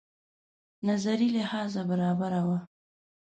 نظري لحاظ برابره وه.